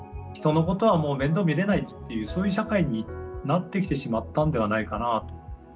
人のことはもう面倒見れないっていうそういう社会になってきてしまったんではないかなと。